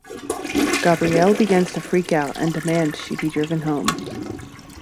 Gabrielle begins to freak out and demands she be driven home.